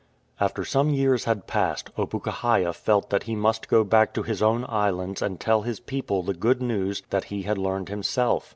After some years had passed, Opukahaia felt that he must go back to his own islands and tell his people the good news that he had learned himself.